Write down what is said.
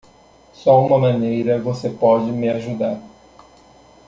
Só uma maneira você pode me ajudar.